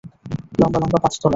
লম্বা লম্বা পাঁচ তলা।